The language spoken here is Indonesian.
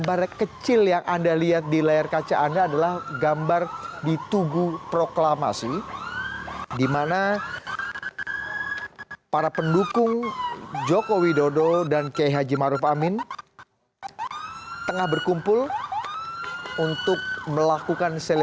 berita terkini mengenai cuaca ekstrem dua ribu dua puluh satu